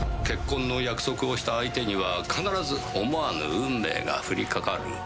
結婚の約束をした相手には必ず思わぬ運命が降りかかる。